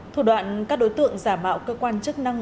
thủ đoạn các đối tượng giả mạo cơ quan chức năng